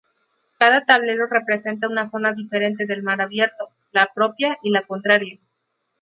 Cada tablero representa una zona diferente del mar abierto: la propia y la contraria.